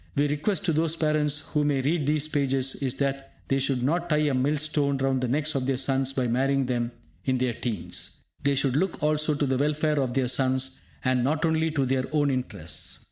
My request to those parents who may read these pages is that they should not tie a mill stone round the necks of their sons by marrying them in their teens. They should look also to the welfare of their sons, and not only to their own interests.